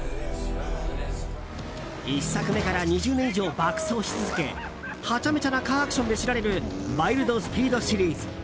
１作目から２０年以上爆走し続けハチャメチャなカーアクションで知られる「ワイルド・スピード」シリーズ。